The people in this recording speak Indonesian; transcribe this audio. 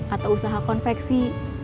atau usaha konveksi